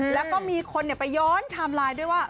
แล้วก็มีคนไปย้อนไทม์ไลน์ด้วยว่า